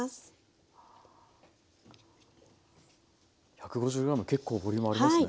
１５０ｇ結構ボリュームありますね。